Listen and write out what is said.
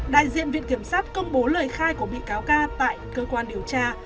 đại diện viện kiểm sát công bố lời khai của bị cáo ca tại cơ quan điều tra